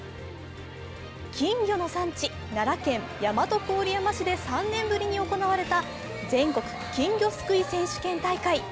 金魚の産地・奈良県大和郡山市で３年ぶりに行われた全国金魚すくい選手権大会。